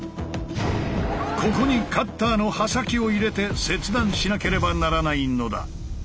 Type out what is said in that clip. ここにカッターの刃先を入れて切断しなければならないのだ。